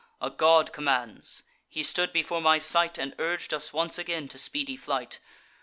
A god commands: he stood before my sight, And urg'd us once again to speedy flight.